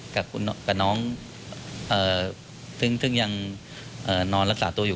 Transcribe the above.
กับน้องซึ่งยังนอนรักษาตัวอยู่